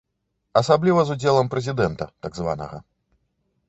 Асабліва з удзелам прэзідэнта так званага.